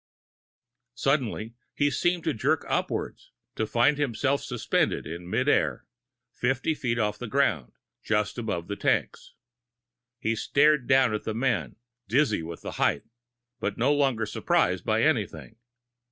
Suddenly, he seemed to jerk upwards, to find himself suspended in mid air, fifty feet off the ground, just beyond the tanks. He stared down at the men, dizzy with the height, but no longer surprised by anything.